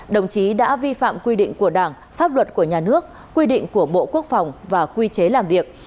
đồng chí đã vi phạm quy định của đảng pháp luật của nhà nước quy định của bộ quốc phòng và quy chế làm việc